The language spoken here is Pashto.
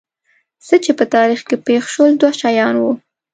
څه چې په تاریخ کې پېښ شول دوه شیان وو.